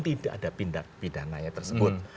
tidak ada pidana tersebut